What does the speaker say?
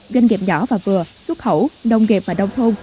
doanh nghiệp nhỏ và vừa xuất khẩu nông nghiệp và đông thôn